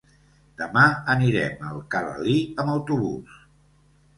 Demà anirem a Alcalalí amb autobús.